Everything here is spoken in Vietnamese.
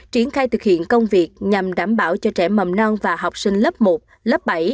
triển khai thực hiện công việc nhằm đảm bảo cho trẻ mầm non và học sinh lớp một lớp bảy